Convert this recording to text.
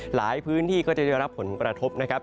หลายพื้นที่ก็จะได้รับผลกระทบนะครับ